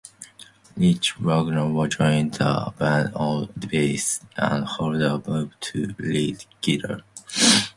Rick Wagner joined the band on bass, and Holder moved to lead guitar.